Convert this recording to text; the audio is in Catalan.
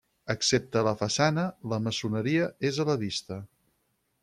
Excepte a la façana, la maçoneria és a la vista.